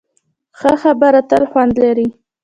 ښه خبره تل خوند لري.